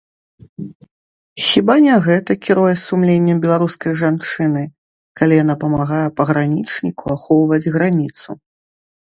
Хіба не гэта кіруе сумленнем беларускай жанчыны, калі яна памагае пагранічніку ахоўваць граніцу?